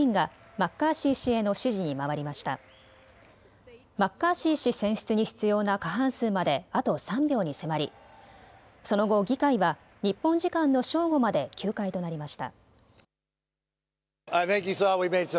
マッカーシー氏選出に必要な過半数まであと３票に迫りその後、議会は日本時間の正午まで休会となりました。